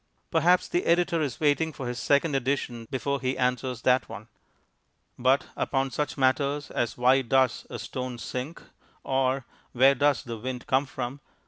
Perhaps the editor is waiting for his second edition before he answers that one. But upon such matters as "Why does a stone sink?" or "Where does the wind come from?"